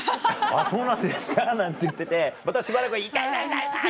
「そうなんですか」なんて言っててまたしばらく「痛い痛い痛い痛い！」。